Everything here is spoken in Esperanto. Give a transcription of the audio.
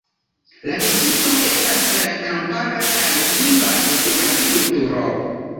La distrikto estas kampara kaj vivas de agrikulturo.